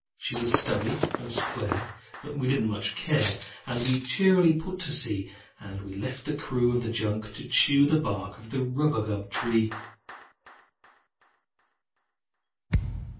She was stubby and square, but we didn't much care, And we cheerily put to sea; And we left the crew of the junk to chew The bark of the rubagub tree.